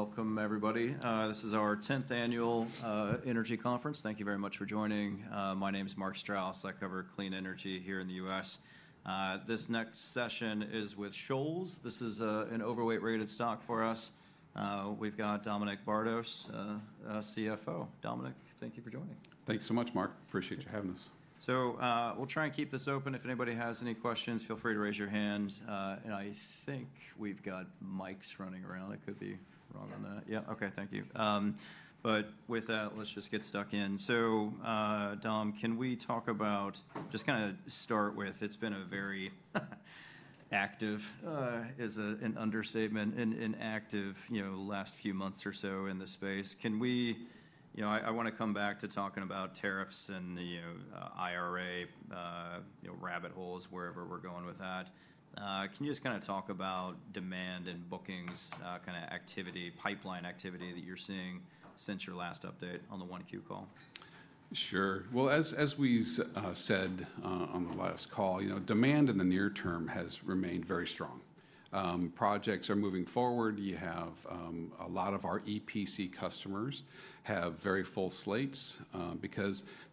Welcome, everybody. This is our 10th annual Energy Conference. Thank you very much for joining. My name is Mark Strauss. I cover clean energy here in the U.S. This next session is with Shoals. This is an overweight-rated stock for us. We've got Dominic Bardos, CFO. Dominic, thank you for joining. Thanks so much, Mark. Appreciate you having us. We'll try and keep this open. If anybody has any questions, feel free to raise your hand. I think we've got mics running around. I could be wrong on that. Yeah. Okay. Thank you. With that, let's just get stuck in. Dom, can we talk about just kind of start with it's been a very active—it's an understatement—an active last few months or so in the space. Can we—I want to come back to talking about tariffs and the IRA rabbit holes, wherever we're going with that. Can you just kind of talk about demand and bookings, kind of activity, pipeline activity that you're seeing since your last update on the 1Q call? Sure. As we said on the last call, demand in the near term has remained very strong. Projects are moving forward. You have a lot of our EPC customers have very full slates.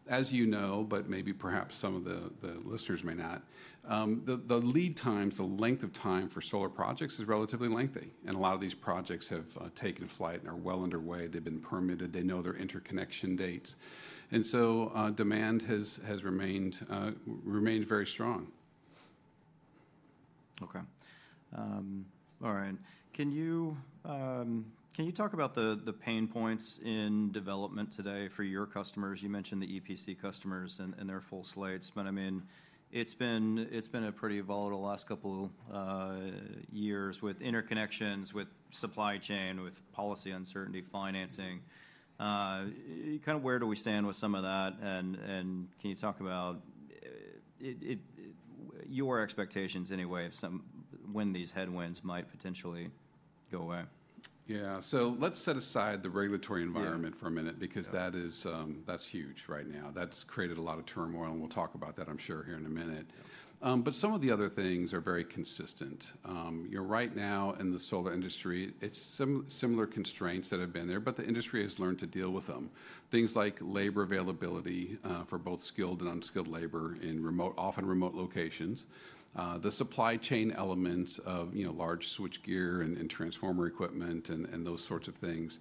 As you know, but maybe perhaps some of the listeners may not, the lead times, the length of time for solar projects is relatively lengthy. A lot of these projects have taken flight and are well underway. They have been permitted. They know their interconnection dates. Demand has remained very strong. Okay. All right. Can you talk about the pain points in development today for your customers? You mentioned the EPC customers and their full slates. I mean, it's been a pretty volatile last couple of years with interconnections, with supply chain, with policy uncertainty, financing. Kind of where do we stand with some of that? Can you talk about your expectations anyway of when these headwinds might potentially go away? Yeah. So let's set aside the regulatory environment for a minute because that's huge right now. That's created a lot of turmoil. We'll talk about that, I'm sure, here in a minute. Some of the other things are very consistent. Right now in the solar industry, it's similar constraints that have been there, but the industry has learned to deal with them. Things like labor availability for both skilled and unskilled labor in often remote locations. The supply chain elements of large switchgear and transformer equipment and those sorts of things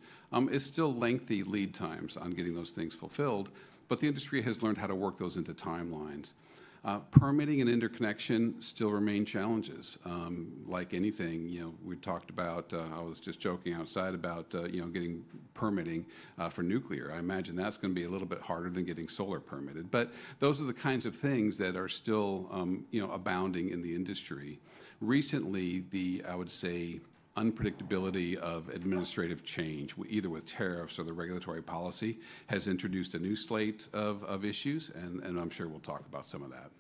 is still lengthy lead times on getting those things fulfilled. The industry has learned how to work those into timelines. Permitting and interconnection still remain challenges. Like anything, we talked about--I was just joking outside about getting permitting for nuclear. I imagine that's going to be a little bit harder than getting solar permitted. Those are the kinds of things that are still abounding in the industry. Recently, the, I would say, unpredictability of administrative change, either with tariffs or the regulatory policy, has introduced a new slate of issues. I'm sure we'll talk about some of that.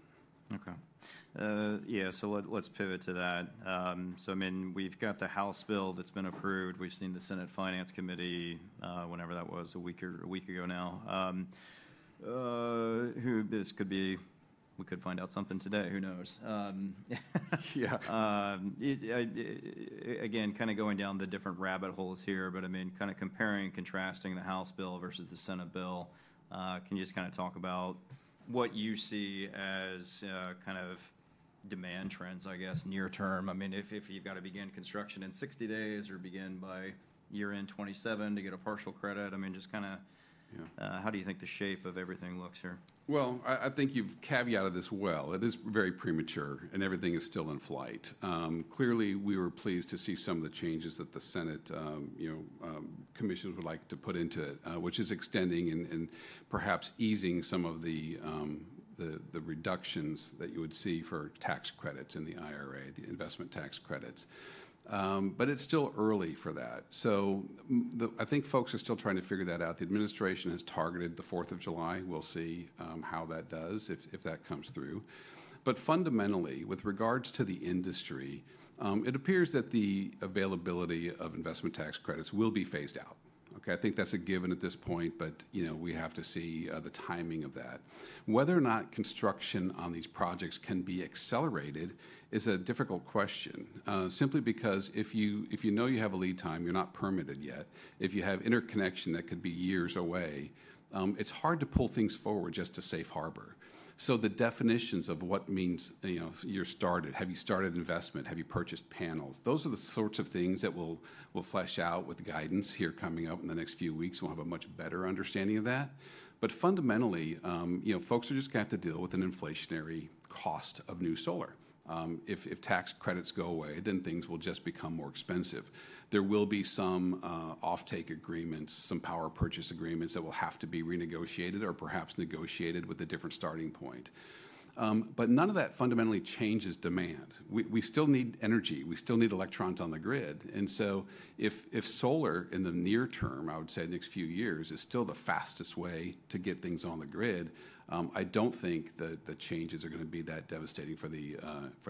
Okay. Yeah. Let's pivot to that. I mean, we've got the House bill that's been approved. We've seen the Senate Finance Committee, whenever that was, a week ago now. Who knows? This could be, we could find out something today. Yeah. Again, kind of going down the different rabbit holes here. I mean, kind of comparing and contrasting the House bill versus the Senate bill, can you just kind of talk about what you see as kind of demand trends, I guess, near term? I mean, if you've got to begin construction in 60 days or begin by year-end 2027 to get a partial credit, I mean, just kind of how do you think the shape of everything looks here? I think you've caveated this well. It is very premature, and everything is still in flight. Clearly, we were pleased to see some of the changes that the Senate commissions would like to put into it, which is extending and perhaps easing some of the reductions that you would see for tax credits in the IRA, the investment tax credits. It is still early for that. I think folks are still trying to figure that out. The administration has targeted the 4th of July. We'll see how that does if that comes through. Fundamentally, with regards to the industry, it appears that the availability of investment tax credits will be phased out. I think that's a given at this point. We have to see the timing of that. Whether or not construction on these projects can be accelerated is a difficult question. Simply because if you know you have a lead time, you're not permitted yet. If you have interconnection that could be years away, it's hard to pull things forward just to safe harbor. The definitions of what means you're started, have you started investment, have you purchased panels, those are the sorts of things that will flesh out with guidance here coming up in the next few weeks. We'll have a much better understanding of that. Fundamentally, folks are just going to have to deal with an inflationary cost of new solar. If tax credits go away, then things will just become more expensive. There will be some offtake agreements, some power purchase agreements that will have to be renegotiated or perhaps negotiated with a different starting point. None of that fundamentally changes demand. We still need energy. We still need electrons on the grid. If solar in the near term, I would say the next few years, is still the fastest way to get things on the grid, I do not think the changes are going to be that devastating for the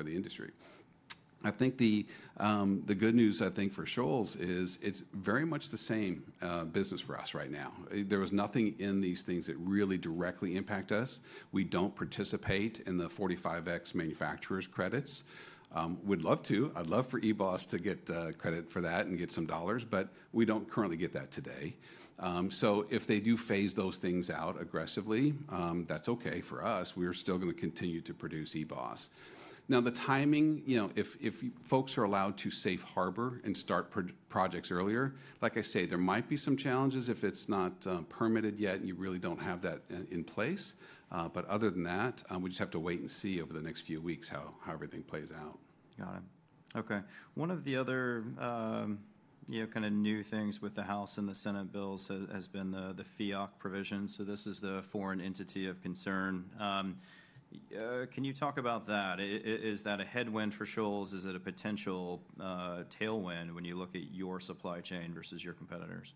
industry. I think the good news, I think, for Shoals is it is very much the same business for us right now. There was nothing in these things that really directly impact us. We do not participate in the 45X manufacturers' credits. We would love to. I would love for EBOS to get credit for that and get some dollars. We do not currently get that today. If they do phase those things out aggressively, that is okay for us. We are still going to continue to produce EBOS. Now, the timing, if folks are allowed to safe harbor and start projects earlier, like I say, there might be some challenges if it's not permitted yet and you really don't have that in place. Other than that, we just have to wait and see over the next few weeks how everything plays out. Got it. Okay. One of the other kind of new things with the House and the Senate bills has been the FEOC provision. So this is the foreign entity of concern. Can you talk about that? Is that a headwind for Shoals? Is it a potential tailwind when you look at your supply chain versus your competitors?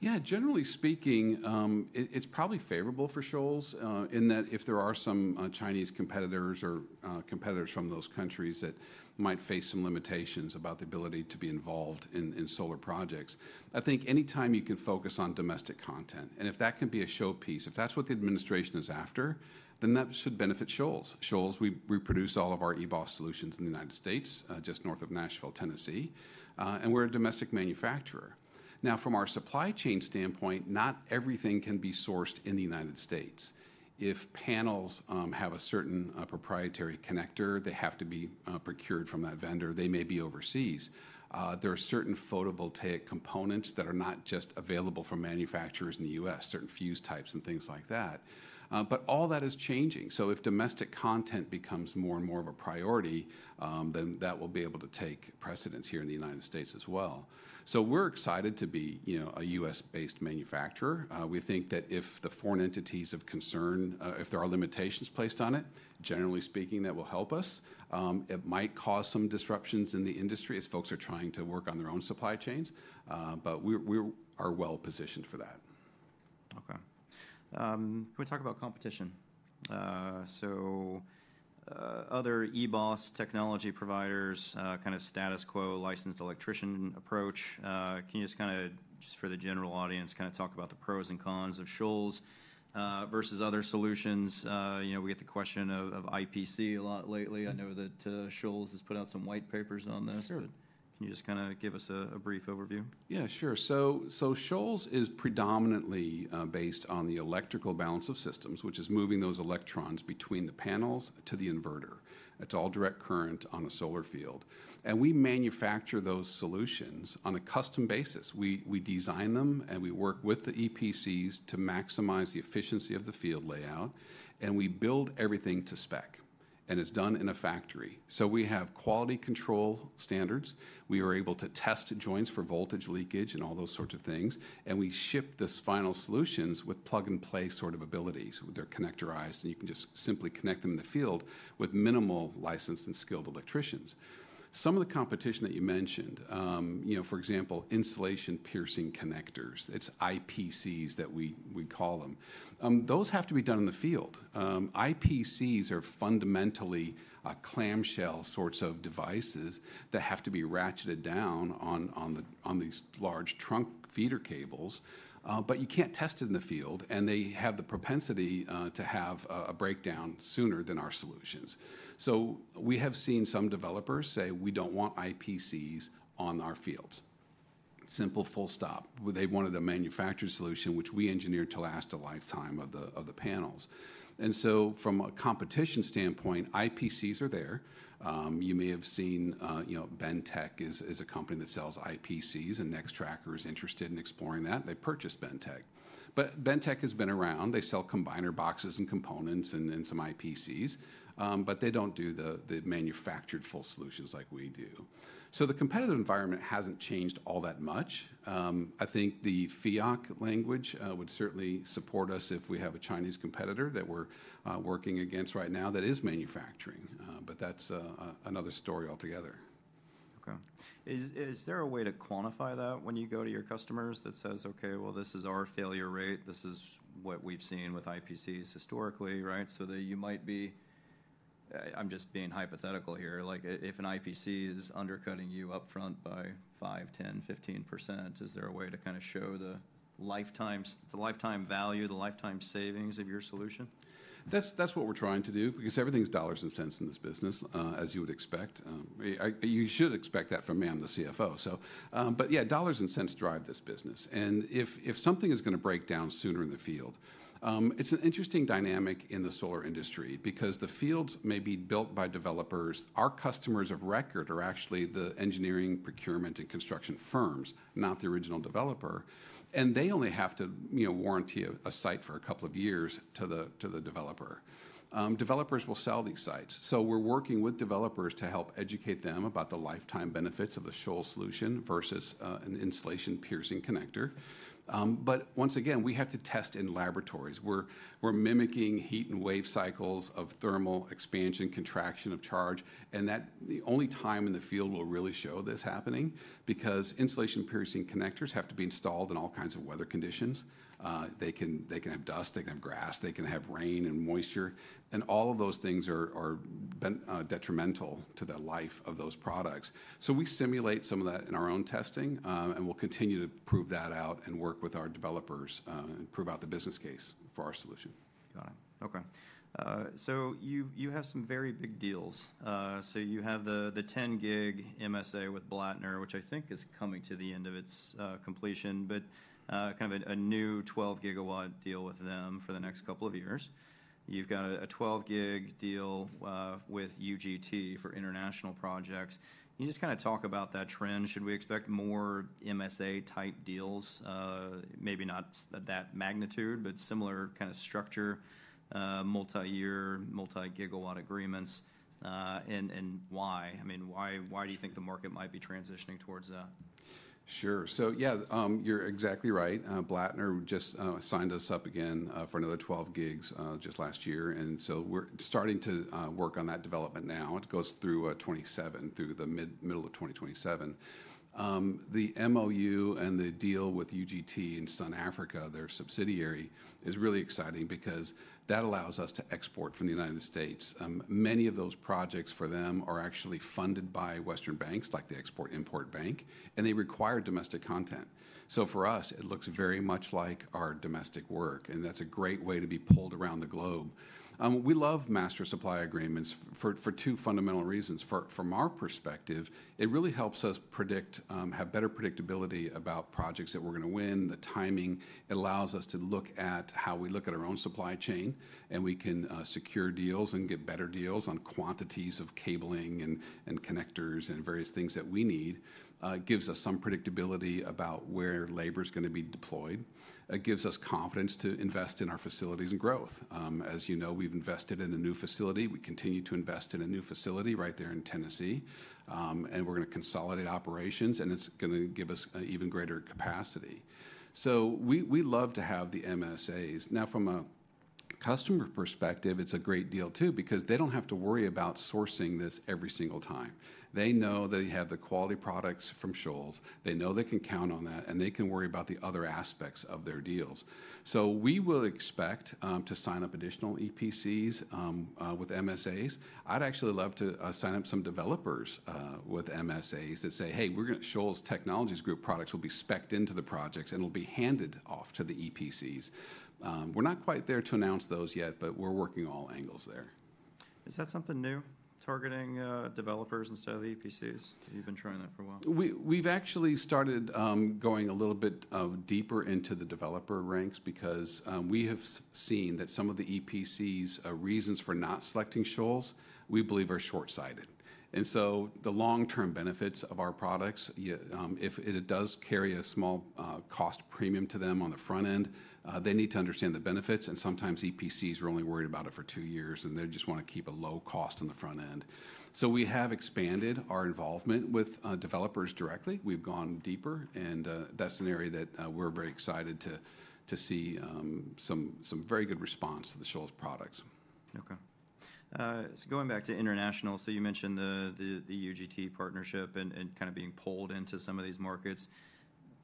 Yeah. Generally speaking, it's probably favorable for Shoals in that if there are some Chinese competitors or competitors from those countries that might face some limitations about the ability to be involved in solar projects. I think anytime you can focus on domestic content, and if that can be a showpiece, if that's what the administration is after, then that should benefit Shoals. Shoals, we produce all of our EBOS solutions in the United States, just north of Nashville, Tennessee. We're a domestic manufacturer. Now, from our supply chain standpoint, not everything can be sourced in the United States. If panels have a certain proprietary connector, they have to be procured from that vendor. They may be overseas. There are certain photovoltaic components that are not just available for manufacturers in the U.S., certain fuse types and things like that. All that is changing. If domestic content becomes more and more of a priority, then that will be able to take precedence here in the United States as well. We are excited to be a U.S.-based manufacturer. We think that if the foreign entities of concern, if there are limitations placed on it, generally speaking, that will help us. It might cause some disruptions in the industry as folks are trying to work on their own supply chains. We are well positioned for that. Okay. Can we talk about competition? Other EBOS technology providers, kind of status quo licensed electrician approach, can you just kind of, just for the general audience, kind of talk about the pros and cons of Shoals versus other solutions? We get the question of IPC a lot lately. I know that Shoals has put out some white papers on this. Can you just kind of give us a brief overview? Yeah, sure. Shoals is predominantly based on the electrical balance of systems, which is moving those electrons between the panels to the inverter. It's all direct current on a solar field. We manufacture those solutions on a custom basis. We design them, and we work with the EPCs to maximize the efficiency of the field layout. We build everything to spec. It's done in a factory. We have quality control standards. We are able to test joints for voltage leakage and all those sorts of things. We ship the final solutions with plug-and-play sort of abilities. They're connectorized, and you can just simply connect them in the field with minimal licensed and skilled electricians. Some of the competition that you mentioned, for example, insulation piercing connectors, it's IPCs that we call them. Those have to be done in the field. IPCs are fundamentally clamshell sorts of devices that have to be ratcheted down on these large trunk feeder cables. You can't test it in the field. They have the propensity to have a breakdown sooner than our solutions. We have seen some developers say, "We don't want IPCs on our fields." Simple, full stop. They wanted a manufactured solution, which we engineered to last a lifetime of the panels. From a competition standpoint, IPCs are there. You may have seen Bentek is a company that sells IPCs. Nextracker is interested in exploring that. They purchased Bentek. Bentek has been around. They sell combiner boxes and components and some IPCs. They don't do the manufactured full solutions like we do. The competitive environment hasn't changed all that much. I think the FEOC language would certainly support us if we have a Chinese competitor that we're working against right now that is manufacturing. That is another story altogether. Okay. Is there a way to quantify that when you go to your customers that says, "Okay, well, this is our failure rate. This is what we've seen with IPCs historically," right? So that you might be—I'm just being hypothetical here. If an IPC is undercutting you upfront by 5%, 10%, 15%, is there a way to kind of show the lifetime value, the lifetime savings of your solution? That's what we're trying to do because everything's dollars and cents in this business, as you would expect. You should expect that from me, I'm the CFO. Yeah, dollars and cents drive this business. If something is going to break down sooner in the field, it's an interesting dynamic in the solar industry because the fields may be built by developers. Our customers of record are actually the engineering, procurement, and construction firms, not the original developer. They only have to warranty a site for a couple of years to the developer. Developers will sell these sites. We're working with developers to help educate them about the lifetime benefits of the Shoals solution versus an insulation piercing connector. Once again, we have to test in laboratories. We're mimicking heat and wave cycles of thermal expansion, contraction of charge. The only time in the field will really show this happening because insulation piercing connectors have to be installed in all kinds of weather conditions. They can have dust. They can have grass. They can have rain and moisture. All of those things are detrimental to the life of those products. We simulate some of that in our own testing. We will continue to prove that out and work with our developers and prove out the business case for our solution. Got it. Okay. So you have some very big deals. You have the 10 gig MSA with Blattner, which I think is coming to the end of its completion, but kind of a new 12 gigawatt deal with them for the next couple of years. You have a 12 gig deal with UGT for international projects. Can you just kind of talk about that trend? Should we expect more MSA-type deals, maybe not that magnitude, but similar kind of structure, multi-year, multi-gigawatt agreements? And why? I mean, why do you think the market might be transitioning towards that? Sure. So yeah, you're exactly right. Blattner just signed us up again for another 12 gigs just last year. We're starting to work on that development now. It goes through 2027, through the middle of 2027. The MOU and the deal with UGT in Southern Africa, their subsidiary, is really exciting because that allows us to export from the United States. Many of those projects for them are actually funded by Western banks like the Export-Import Bank. They require domestic content. For us, it looks very much like our domestic work. That's a great way to be pulled around the globe. We love master supply agreements for two fundamental reasons. From our perspective, it really helps us predict, have better predictability about projects that we're going to win, the timing. It allows us to look at how we look at our own supply chain. We can secure deals and get better deals on quantities of cabling and connectors and various things that we need. It gives us some predictability about where labor is going to be deployed. It gives us confidence to invest in our facilities and growth. As you know, we've invested in a new facility. We continue to invest in a new facility right there in Tennessee. We are going to consolidate operations. It is going to give us even greater capacity. We love to have the MSAs. Now, from a customer perspective, it is a great deal too because they do not have to worry about sourcing this every single time. They know they have the quality products from Shoals. They know they can count on that. They can worry about the other aspects of their deals. We will expect to sign up additional EPCs with MSAs. I'd actually love to sign up some developers with MSAs that say, "Hey, Shoals Technologies Group products will be specced into the projects. It'll be handed off to the EPCs." We're not quite there to announce those yet. We're working all angles there. Is that something new, targeting developers instead of the EPCs? You've been trying that for a while. We've actually started going a little bit deeper into the developer ranks because we have seen that some of the EPCs' reasons for not selecting Shoals, we believe, are short-sighted. The long-term benefits of our products, if it does carry a small cost premium to them on the front end, they need to understand the benefits. Sometimes EPCs are only worried about it for two years. They just want to keep a low cost on the front end. We have expanded our involvement with developers directly. We've gone deeper. That is an area that we're very excited to see some very good response to the Shoals products. Okay. Going back to international, you mentioned the UGT partnership and kind of being pulled into some of these markets.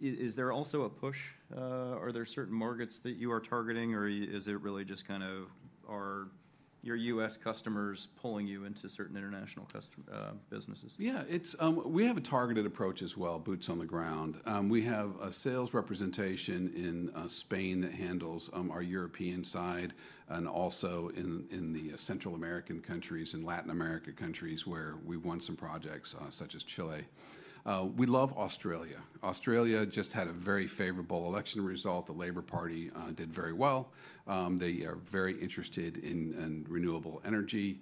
Is there also a push? Are there certain markets that you are targeting? Or is it really just kind of your U.S. customers pulling you into certain international businesses? Yeah. We have a targeted approach as well, boots on the ground. We have a sales representation in Spain that handles our European side and also in the Central American countries and Latin American countries where we won some projects, such as Chile. We love Australia. Australia just had a very favorable election result. The Labor Party did very well. They are very interested in renewable energy.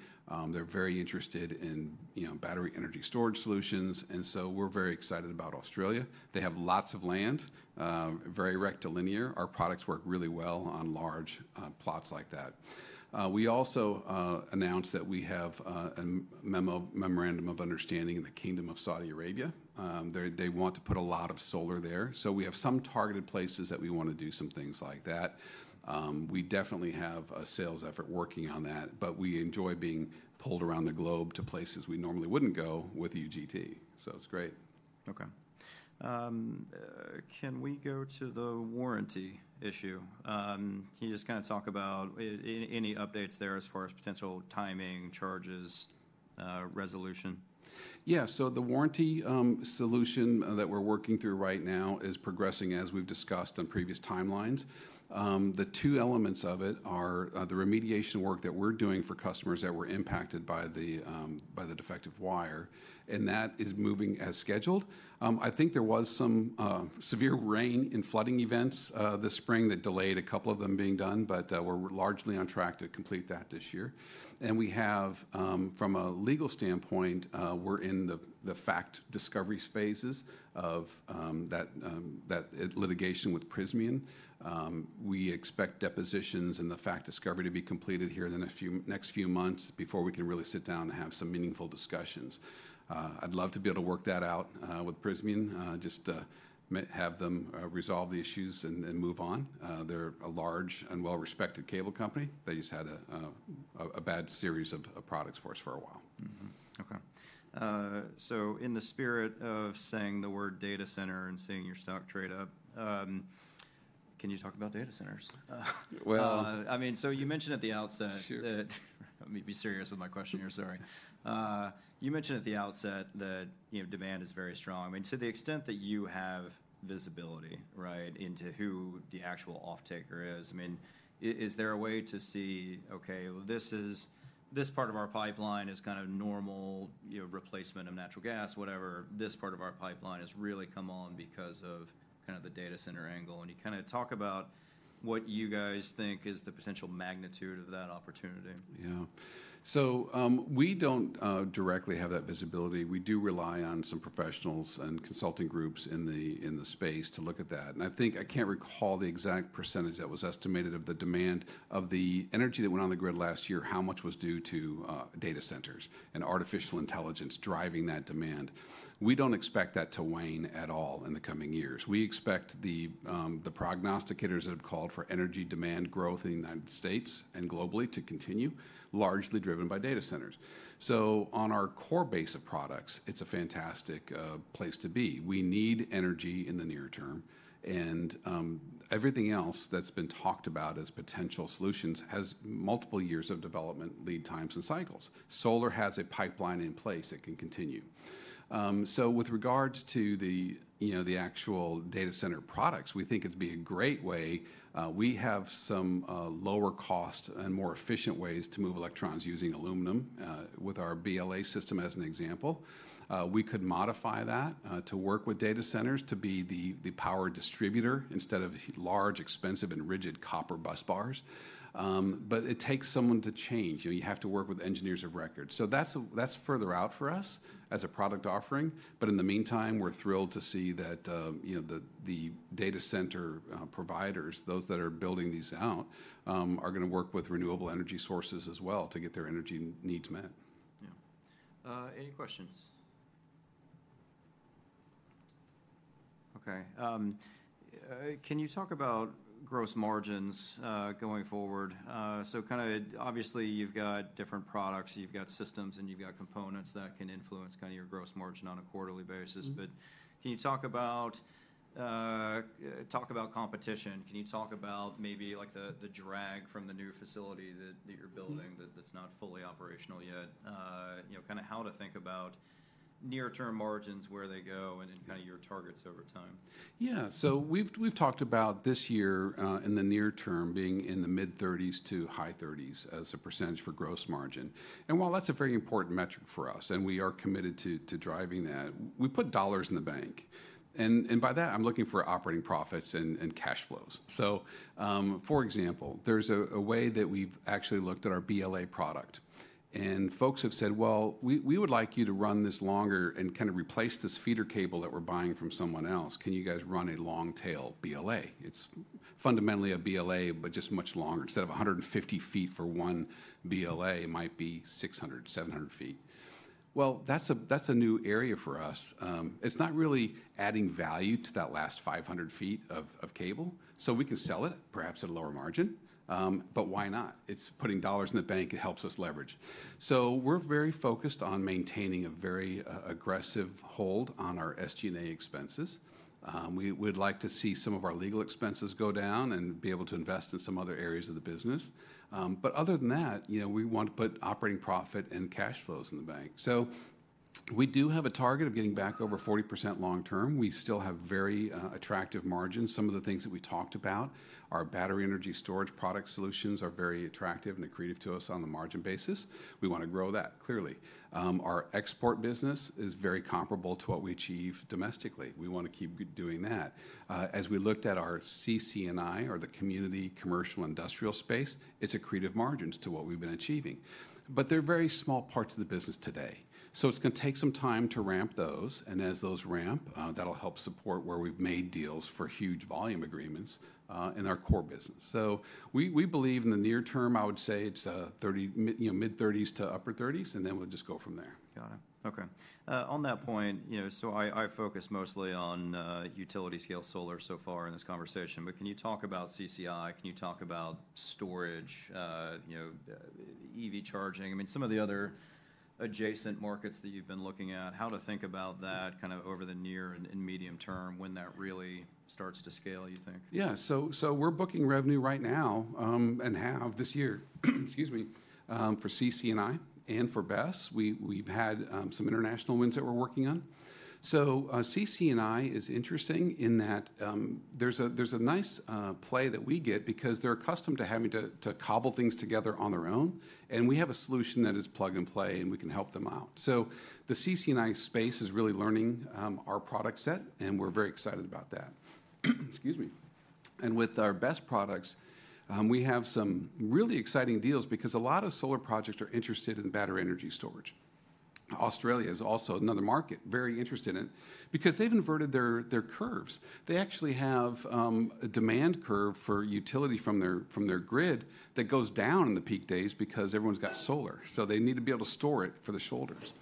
They're very interested in battery energy storage solutions. We are very excited about Australia. They have lots of land, very rectilinear. Our products work really well on large plots like that. We also announced that we have a memorandum of understanding in the Kingdom of Saudi Arabia. They want to put a lot of solar there. We have some targeted places that we want to do some things like that. We definitely have a sales effort working on that. We enjoy being pulled around the globe to places we normally wouldn't go with UGT. So it's great. Okay. Can we go to the warranty issue? Can you just kind of talk about any updates there as far as potential timing, charges, resolution? Yeah. So the warranty solution that we're working through right now is progressing as we've discussed on previous timelines. The two elements of it are the remediation work that we're doing for customers that were impacted by the defective wire. And that is moving as scheduled. I think there was some severe rain and flooding events this spring that delayed a couple of them being done. We are largely on track to complete that this year. From a legal standpoint, we're in the fact discovery phases of that litigation with Prysmian. We expect depositions and the fact discovery to be completed here in the next few months before we can really sit down and have some meaningful discussions. I'd love to be able to work that out with Prysmian, just have them resolve the issues and move on. They're a large and well-respected cable company. They just had a bad series of products for us for a while. Okay. In the spirit of saying the word data center and seeing your stock trade up, can you talk about data centers? Well. I mean, you mentioned at the outset that demand is very strong. I mean, to the extent that you have visibility, right, into who the actual off-taker is, I mean, is there a way to see, "Okay, this part of our pipeline is kind of normal replacement of natural gas, whatever. This part of our pipeline has really come on because of kind of the data center angle"? Can you kind of talk about what you guys think is the potential magnitude of that opportunity? Yeah. So we do not directly have that visibility. We do rely on some professionals and consulting groups in the space to look at that. I think I cannot recall the exact percentage that was estimated of the demand of the energy that went on the grid last year, how much was due to data centers and artificial intelligence driving that demand. We do not expect that to wane at all in the coming years. We expect the prognosticators that have called for energy demand growth in the United States and globally to continue, largely driven by data centers. On our core base of products, it is a fantastic place to be. We need energy in the near term. Everything else that has been talked about as potential solutions has multiple years of development lead times and cycles. Solar has a pipeline in place that can continue. With regards to the actual data center products, we think it'd be a great way. We have some lower cost and more efficient ways to move electrons using aluminum with our BLA system as an example. We could modify that to work with data centers to be the power distributor instead of large, expensive, and rigid copper busbars. It takes someone to change. You have to work with engineers of record. That is further out for us as a product offering. In the meantime, we're thrilled to see that the data center providers, those that are building these out, are going to work with renewable energy sources as well to get their energy needs met. Yeah. Any questions? Okay. Can you talk about gross margins going forward? So kind of obviously, you've got different products. You've got systems. And you've got components that can influence kind of your gross margin on a quarterly basis. But can you talk about competition? Can you talk about maybe the drag from the new facility that you're building that's not fully operational yet? Kind of how to think about near-term margins, where they go, and kind of your targets over time. Yeah. So we've talked about this year in the near term being in the mid-30s to high 30s as a percentage for gross margin. While that's a very important metric for us, and we are committed to driving that, we put dollars in the bank. By that, I'm looking for operating profits and cash flows. For example, there's a way that we've actually looked at our BLA product. Folks have said, "Well, we would like you to run this longer and kind of replace this feeder cable that we're buying from someone else. Can you guys run a long-tail BLA?" It's fundamentally a BLA, but just much longer. Instead of 150 feet for one BLA, it might be 600 feet, 700 feet. That's a new area for us. It's not really adding value to that last 500 feet of cable. We can sell it, perhaps at a lower margin. Why not? It's putting dollars in the bank. It helps us leverage. We're very focused on maintaining a very aggressive hold on our SG&A expenses. We'd like to see some of our legal expenses go down and be able to invest in some other areas of the business. Other than that, we want to put operating profit and cash flows in the bank. We do have a target of getting back over 40% long-term. We still have very attractive margins. Some of the things that we talked about, our battery energy storage product solutions, are very attractive and accretive to us on the margin basis. We want to grow that, clearly. Our export business is very comparable to what we achieve domestically. We want to keep doing that. As we looked at our CC&I, or the Community Commercial Industrial space, it's accretive margins to what we've been achieving. They are very small parts of the business today. It is going to take some time to ramp those. As those ramp, that will help support where we've made deals for huge volume agreements in our core business. We believe in the near term, I would say it's mid-30s to upper 30s. We will just go from there. Got it. Okay. On that point, so I focus mostly on utility-scale solar so far in this conversation. But can you talk about CCI? Can you talk about storage, EV charging? I mean, some of the other adjacent markets that you've been looking at, how to think about that kind of over the near and medium term when that really starts to scale, you think? Yeah. So we're booking revenue right now and have this year, excuse me, for CC&I and for BESS. We've had some international wins that we're working on. CC&I is interesting in that there's a nice play that we get because they're accustomed to having to cobble things together on their own. We have a solution that is plug and play. We can help them out. The CC&I space is really learning our product set. We're very excited about that. Excuse me. With our BESS products, we have some really exciting deals because a lot of solar projects are interested in battery energy storage. Australia is also another market very interested in it because they've inverted their curves. They actually have a demand curve for utility from their grid that goes down in the peak days because everyone's got solar. They need to be able to store it for the shoulders.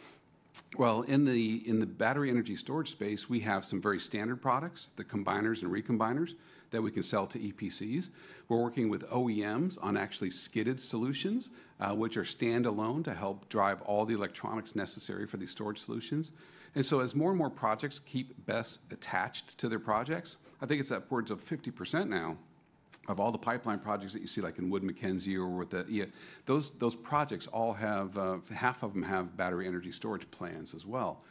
In the battery energy storage space, we have some very standard products, the combiners and recombiners, that we can sell to EPCs. We're working with OEMs on actually skidded solutions, which are standalone to help drive all the electronics necessary for these storage solutions. As more and more projects keep BESS attached to their projects, I think it's upwards of 50% now of all the pipeline projects that you see, like in Wood Mackenzie, those projects all have half of them have battery energy storage plans as well.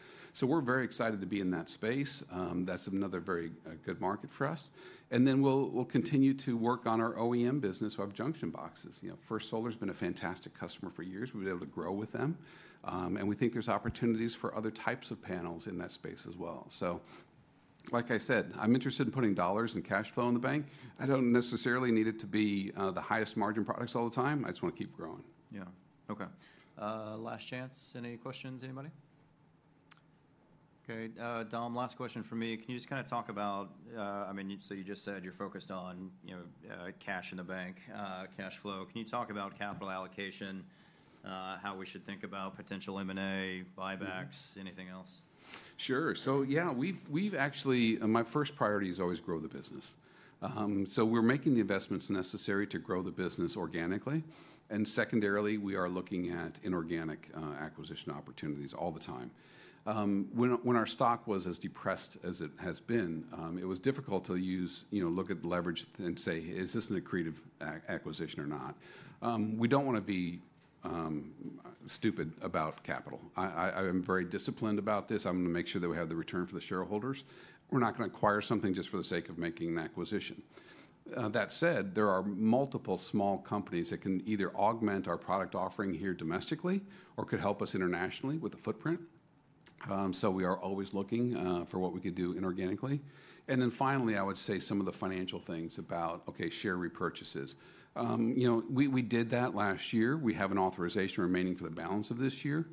We're very excited to be in that space. That's another very good market for us. We'll continue to work on our OEM business. We'll have junction boxes. First Solar has been a fantastic customer for years. We've been able to grow with them. We think there's opportunities for other types of panels in that space as well. Like I said, I'm interested in putting dollars and cash flow in the bank. I don't necessarily need it to be the highest margin products all the time. I just want to keep growing. Yeah. Okay. Last chance. Any questions, anybody? Okay. Dom, last question for me. Can you just kind of talk about, I mean, so you just said you're focused on cash in the bank, cash flow. Can you talk about capital allocation, how we should think about potential M&A, buybacks, anything else? Sure. Yeah, actually my first priority is always grow the business. We are making the investments necessary to grow the business organically. Secondarily, we are looking at inorganic acquisition opportunities all the time. When our stock was as depressed as it has been, it was difficult to look at leverage and say, is this an accretive acquisition or not? We do not want to be stupid about capital. I am very disciplined about this. I am going to make sure that we have the return for the shareholders. We are not going to acquire something just for the sake of making an acquisition. That said, there are multiple small companies that can either augment our product offering here domestically or could help us internationally with the footprint. We are always looking for what we could do inorganically. Finally, I would say some of the financial things about, okay, share repurchases. We did that last year. We have an authorization remaining for the balance of this year.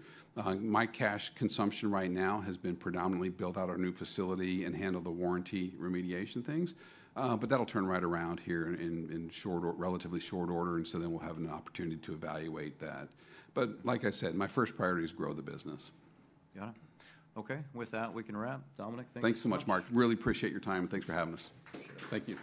My cash consumption right now has been predominantly built out our new facility and handle the warranty remediation things. That will turn right around here in relatively short order. We will have an opportunity to evaluate that. Like I said, my first priority is grow the business. Got it. Okay. With that, we can wrap. Dominic, thank you. Thanks so much, Mark. Really appreciate your time. Thanks for having us. Appreciate it. Thank you.